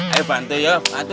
ayo bantu ya bantu